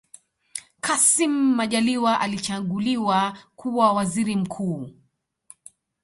kassim majaliwa alichaguliwa kuwa waziri mkuu